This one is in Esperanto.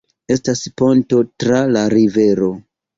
Estas ponto tra la rivero.